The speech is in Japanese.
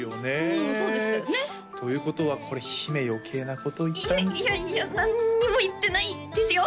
うんそうでしたよねということはこれ姫余計なこと言ったんじゃいやいや何にも言ってないですよ！